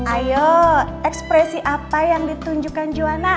ayo ekspresi apa yang ditunjukkan juana